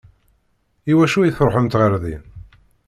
I wacu i tṛuḥemt ɣer din?